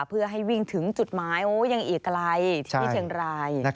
เพื่อให้วิ่งถึงจุดหมายยังอีกไกลที่เชียงราย